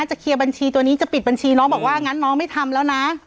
เคลียร์บัญชีตัวนี้จะปิดบัญชีน้องบอกว่างั้นน้องไม่ทำแล้วนะ